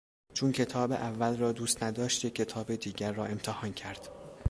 چون کتاب اول را دوست نداشت یک کتاب دیگر را امتحان کرد.